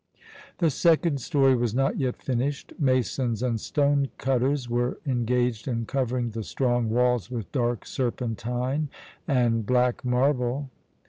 The second story was not yet finished; masons and stone cutters were engaged in covering the strong walls with dark serpentine and black marble.